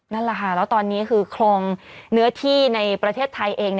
นั่นแหละค่ะแล้วตอนนี้คือโครงเนื้อที่ในประเทศไทยเอง